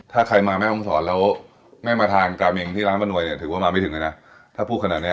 ถ้าใครมาแม่ห้องศรแล้วไม่มาทานกาเมงที่ร้านป้านวยเนี่ยถือว่ามาไม่ถึงเลยนะถ้าพูดขนาดเนี้ย